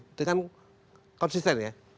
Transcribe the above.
itu kan konsisten ya